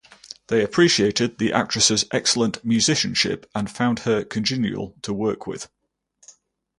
They appreciated the actress's excellent musicianship and found her congenial to work with.